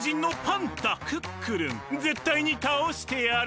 クックルンぜったいにたおしてやる！